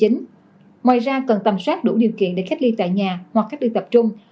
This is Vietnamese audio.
ngoài ra cần tầm soát đủ điều kiện để cách ly tại nhà hoặc cách ly tập trung